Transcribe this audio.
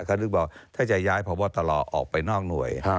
เขาเรียกว่าถ้าจะย้ายพระบอตลอออกไปนอกหน่วย